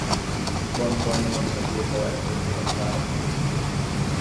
O Antônio não sabia qual era o perfil da Clara no Facebook